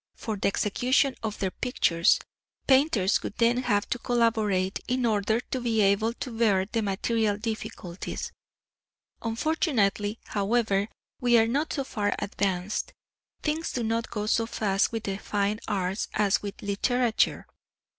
For the execution of their pictures, painters would then have to collaborate, in order to be able to bear the material difficulties. Unfortunately, however, we are not so far advanced, things do not go so fast with the fine arts as with literature.